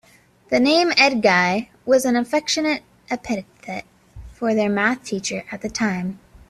The name "Edguy" was an affectionate epithet for their math teacher at the time.